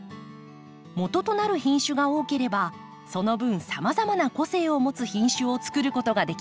もととなる品種が多ければその分さまざまな個性を持つ品種をつくることができます。